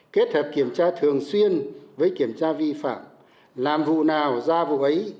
kết hợp kiểm tra thường xuyên với kiểm tra vi phạm làm vụ nào ra vụ ấy